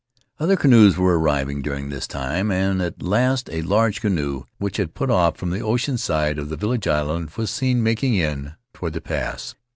Other canoes were arriving during this time, and at Faery Lands of the South Seas last a large canoe, which had put off from the ocean side of the village island, was seen making in toward the pass.